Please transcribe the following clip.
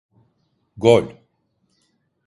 Gol!